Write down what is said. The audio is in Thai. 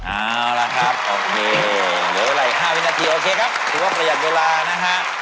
เอาละครับโอเคเดี๋ยวเวลาอีก๕วินาทีโอเคครับทุกคนระยะเวลานะฮะ